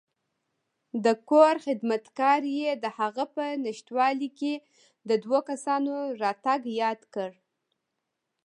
د کور خدمتګار یې دهغه په نشتوالي کې د دوو کسانو راتګ یاد کړ.